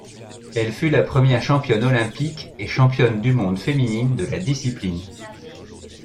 Elle fut la première championne olympique et championne du monde féminine de la discipline.